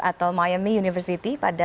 atau miami university pada